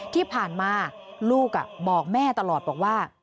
ที่ผ่านมาลูกบอกแม่ตลอดบอกว่า